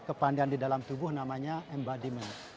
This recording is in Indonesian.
kepandian di dalam tubuh namanya embadement